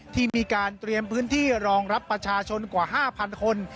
ที่มีการเตรียมพื้นที่รองรับประชาชนกว่า๕๐๐คน